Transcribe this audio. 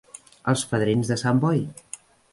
Els fadrins de Sant Boi.